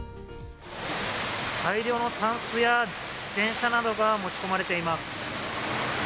大量のたんすや自転車などが持ち込まれています。